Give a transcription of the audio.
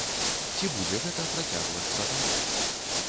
Ці будзе гэта працягвацца далей?